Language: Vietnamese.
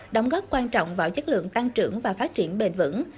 đóng góp quan trọng vào chất lượng tăng trưởng và phát triển bền vững